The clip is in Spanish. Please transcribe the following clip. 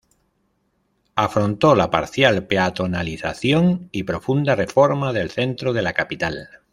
Afrontó la parcial peatonalización y profunda reforma del centro de la capital.